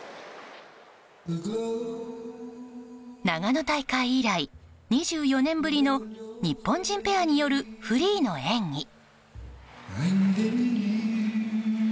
長野大会以来２４年ぶりの日本人ペアによるフリーの演技。